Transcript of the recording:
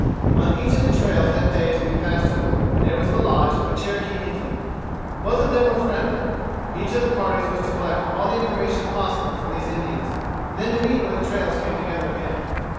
On each of the trails that day to be passed over, there was the lodge of a Cherokee Indian. Both of them were friendly. Each of the parties was to collect all the information possible from these Indians, and then to meet where the trails came together again.